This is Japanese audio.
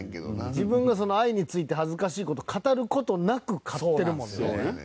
自分の愛について恥ずかしいことを語ることなく勝ってるもんね。